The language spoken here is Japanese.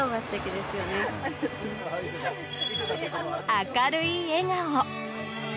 明るい笑顔。